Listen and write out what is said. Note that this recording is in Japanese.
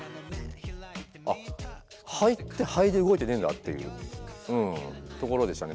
あっ肺って肺で動いてねえんだっていううんところでしたね。